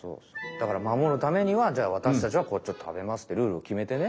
だからまもるためにはじゃあ私たちはこっちを食べますってルールをきめてね。